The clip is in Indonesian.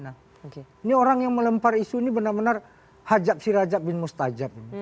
nah ini orang yang melempar isu ini benar benar hajab si rajak bin mustajab